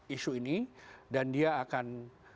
isu ini dan dia akan